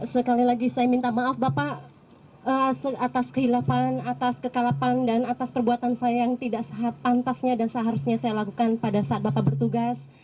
sekali lagi saya minta maaf bapak atas kehilafan atas kekalapan dan atas perbuatan saya yang tidak pantasnya dan seharusnya saya lakukan pada saat bapak bertugas